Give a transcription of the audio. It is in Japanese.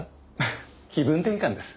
フフ気分転換です。